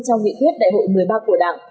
trong nghị quyết đại hội một mươi ba của đảng